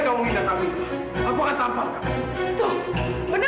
pergi kalian pergi